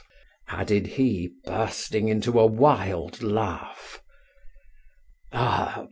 added he, bursting into a wild laugh. "Ah!